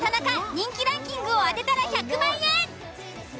人気ランキングを当てたら１００万円！